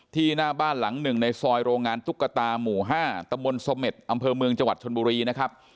หน้าบ้านหลังหนึ่งในซอยโรงงานตุ๊กตาหมู่๕ตะมนต์เสม็ดอำเภอเมืองจังหวัดชนบุรีนะครับ